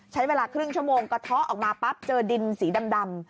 ใช้เวลาครึ่งชั่วโมงกระเทาะออกมาปั๊บเจอดินสีดำ